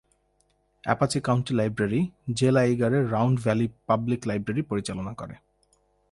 Apache County Library জেলা ইগারে Round Valley Public Library পরিচালনা করে।